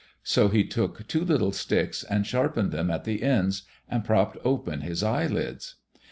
So he took two little sticks, and sharpened them at the ends, and propped open his eyelids.